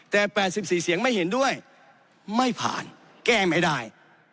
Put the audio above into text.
แต่๘๔เสียงไม่เห็นด้วยไม่ผ่านแก้ไม่ได้